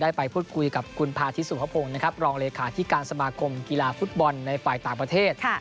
ได้ไปพูดคุยกับกุญพาธิสุภพงศ์รองเลยริคาร์ที่การสมากรมกีฬาฟุตบอลในฝ่ายต่างประเทศ